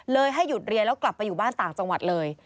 ให้หยุดเรียนแล้วกลับไปอยู่บ้านต่างจังหวัดเลย